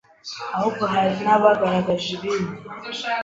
ahubwo hari n’abagaragaje ibindi